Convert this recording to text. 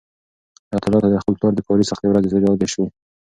حیات الله ته د خپل پلار د کاري سختۍ ورځې رایادې شوې.